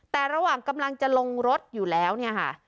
แต่ระหว่างกำลังจะลงรถอยู่แล้วเนี่ยค่ะ